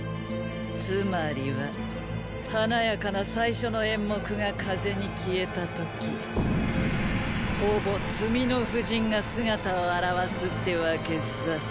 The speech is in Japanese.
つまりは華やかな最初の演目が風に消えた時ほぼ詰みの布陣が姿を現すってわけさ。